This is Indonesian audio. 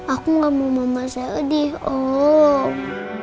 aku gak mau mama saya sedih om